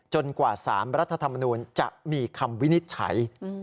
กว่า๓รัฐธรรมนูลจะมีคำวินิจฉัย